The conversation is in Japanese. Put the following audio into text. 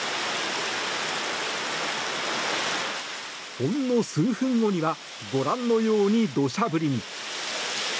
ほんの数分後にはご覧のように土砂降りに。